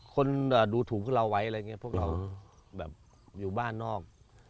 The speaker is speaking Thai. คนดูถูกเราไว้อะไรอย่างนี้พวกเราแบบอยู่บ้านนอก